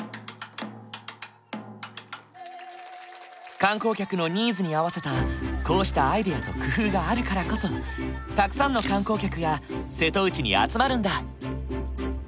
観光客のニーズに合わせたこうしたアイデアと工夫があるからこそたくさんの観光客が瀬戸内に集まるんだ。